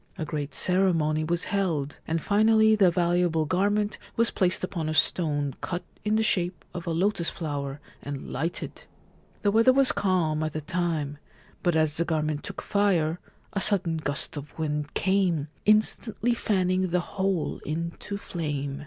A great ceremony was held, and finally the valuable garment was placed upon a stone cut in the shape of a lotus flower and lighted. The weather was calm at the time ; but as the garment took fire a sudden gust of wind came, instantly fanning the whole into flame.